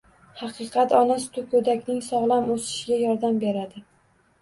Haqiqatan, ona suti go‘dakning sog‘lom o‘sishiga yordam beradi.